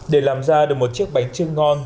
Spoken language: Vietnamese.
để làm ra được một chiếc bánh chưng ngon